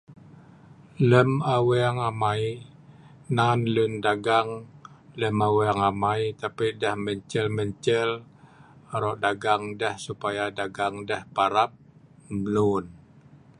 Lem aweng amai, Nan leun dagang, lem aweng amai, deh mencel-mencel aro' dagang deh supaya deh parap mlun